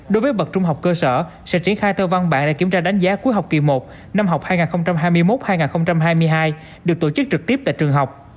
đối với bậc trung học cơ sở sẽ triển khai theo văn bản để kiểm tra đánh giá cuối học kỳ một năm học hai nghìn hai mươi một hai nghìn hai mươi hai được tổ chức trực tiếp tại trường học